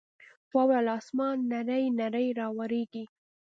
واوره له اسمانه نرۍ نرۍ راورېږي.